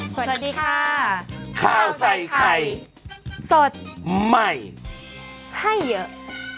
สวัสดีค่ะข้าวใส่ไข่สดใหม่ให้เยอะ